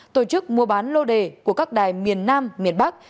tổ chức mua bán lô đề của các đài miền nam miền bắc